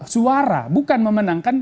suara bukan memenangkan